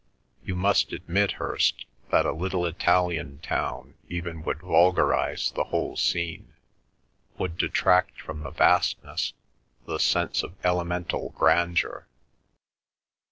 You must admit, Hirst, that a little Italian town even would vulgarise the whole scene, would detract from the vastness—the sense of elemental grandeur."